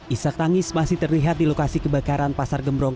isak tangis masih terlihat di lokasi kebakaran pasar gembrong